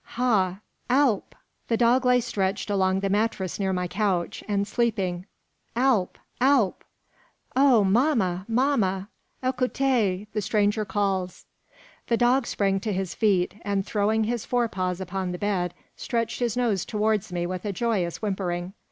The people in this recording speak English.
"Ha, Alp!" The dog lay stretched along the mattress near my couch, and sleeping. "Alp! Alp!" "Oh, mamma! mamma! ecoutez! the stranger calls." The dog sprang to his feet, and throwing his fore paws upon the bed, stretched his nose towards me with a joyous whimpering.